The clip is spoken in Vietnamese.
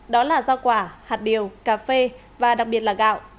đó là rau quả hạt điều cà phê và đặc biệt là gạo